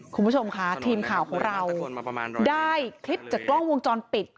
คุณผู้ชมค่ะทีมข่าวของเราได้คลิปจากกล้องวงจรปิด